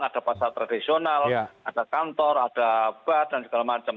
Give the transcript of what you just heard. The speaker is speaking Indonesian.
ada pasar tradisional ada kantor ada bat dan segala macam